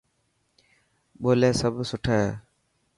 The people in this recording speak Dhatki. ٻولي سڀ سٺي هي.